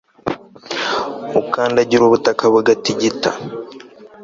ukandagira ubutaka bugatigita